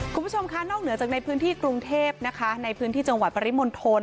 คุณผู้ชมค่ะนอกเหนือจากในพื้นที่กรุงเทพนะคะในพื้นที่จังหวัดปริมณฑล